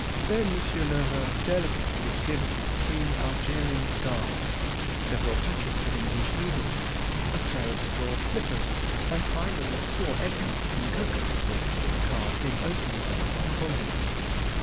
Then Monsieur Lheureux delicately exhibited three Algerian scarves, several packets of English needles, a pair of straw slippers, and finally, four eggcups in cocoanut wood, carved in open work by convicts.